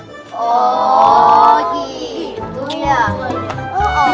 oooh gitu ya